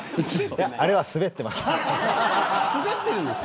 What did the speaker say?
あれはスベってます。